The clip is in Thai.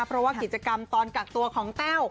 เพราะว่ากิจกรรมตอนกักตัวของแต้ว